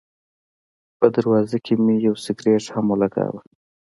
په دروازه کې مې یو سګرټ هم ولګاوه.